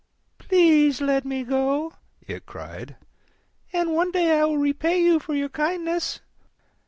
"Please let me go," it cried, "and one day I will repay you for your kindness."